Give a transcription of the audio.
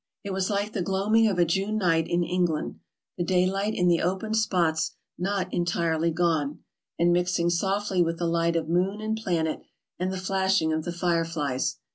It was like the gloaming of a June night in England, the daylight in the open spots not entirely gone, and mixing softly with the light of moon and planet and the flashing of the fire flies.